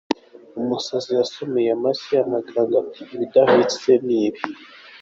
Umusazi yasomeye amase amaganga ati ibidahwitse n’ibi!